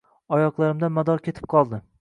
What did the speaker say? Oyoqlarimdan mador ketib qoldi.